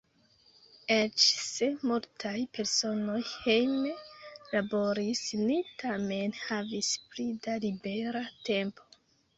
Eĉ se multaj personoj hejme laboris, ni tamen havis pli da libera tempo.